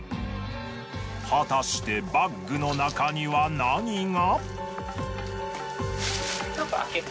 果たしてバッグの中には何が？